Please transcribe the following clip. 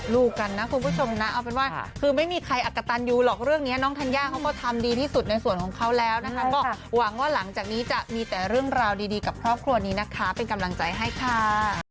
แล้วเราก็ได้ปรับความเข้าใจกัน